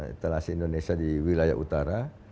etalasi indonesia di wilayah utara